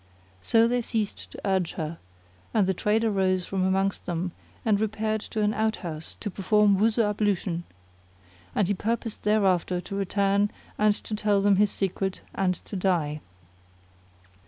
So they ceased to urge her; and the trader rose from amongst them and repaired to an out house to perform Wuzu ablution,[FN#36] and he purposed thereafter to return and to tell them his secret and to die.